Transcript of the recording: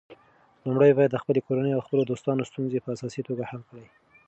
لومړی باید د خپلې کورنۍ او خپلو دوستانو ستونزې په اساسي توګه حل کړې.